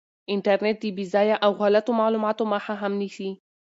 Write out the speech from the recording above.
انټرنیټ د بې ځایه او غلطو معلوماتو مخه هم نیسي.